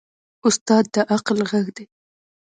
استاد د عقل غږ دی.